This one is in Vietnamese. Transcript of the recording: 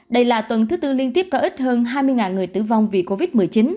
đây là tuần thứ tư liên tiếp có ít hơn hai mươi người tử vong vì covid một mươi chín